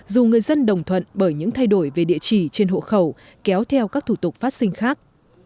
dù người dân đồng thuận bởi những thay đổi về địa chỉ trên hộ khẩu kéo theo các thủ tục phát sinh khác